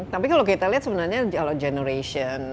tapi kalau kita lihat sebenarnya dialog generation